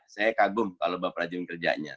saya kagum kalau bapak rajin kerjanya